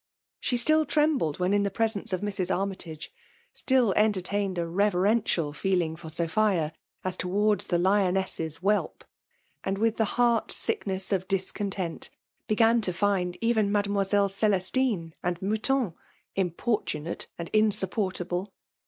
. She* still trembled when in tlie presence of Mrs. Araiytage ; stijl entertained a reverential feeU ing for Sophia, as towards the lioness's whelp ; and with the heart sickness of discontent, be<» gan to find even Mademoiselle Cystine and . Mottton importunate and insupportable.